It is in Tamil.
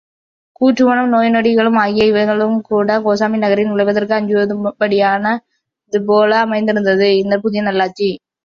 கூற்றுவனும், நோய் நொடிகளும் ஆகிய இவைகளும்கூடக் கோசாம்பி நகரில் நுழைவதற்கு அஞ்சும்படியானதுபோல அமைந்திருந்தது இந்தப் புதிய நல்லாட்சி.